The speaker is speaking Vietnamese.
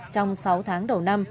trong sáu tháng đầu năm